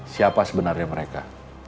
siapa sebenarnya mereka